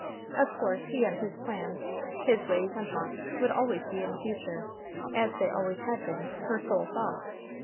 Of course he and his plans, his ways and wants, would always be in the future, as they always had been, her sole thought.